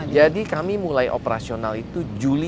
jadi kami mulai operasional itu juli dua ribu dua belas